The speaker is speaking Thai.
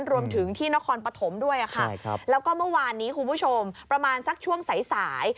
รวมถึงที่นครปฐมด้วยค่ะแล้วก็เมื่อวานนี้คุณผู้ชมประมาณสักช่วงสาย